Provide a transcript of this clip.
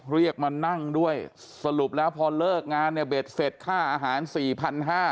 เรียกมานั่งด้วยสรุปแล้วพอเลิกงานเนี่ยเบ็ดเสร็จค่าอาหารสี่พันห้า